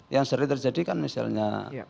yang sering terjadi kan misalnya